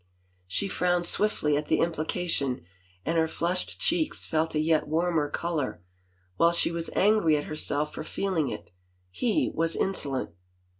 " She frowned swiftly at the implication, and her flushed cheeks felt a yet warmer color, while she was angry at herself for feeling it. He was insolent.